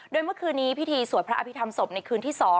โดยเมื่อคืนนี้พิธีสวดพระอภิษฐรรมศพในคืนที่๒